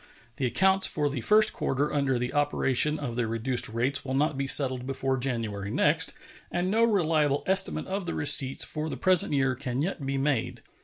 The accounts for the first quarter under the operation of the reduced rates will not be settled before January next, and no reliable estimate of the receipts for the present year can yet be made.